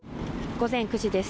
午前９時です。